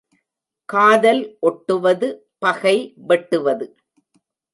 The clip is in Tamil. காதல் ஒட்டுவது பகை வெட்டுவது.